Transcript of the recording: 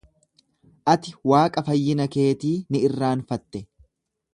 Ati Waaqa fayyina keetii ni irraanfatte.